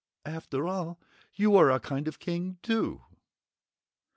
"After all you are a kind of King, too!"